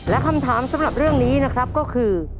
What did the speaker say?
และคำถามสำหรับเรื่องนี้นะครับก็คือ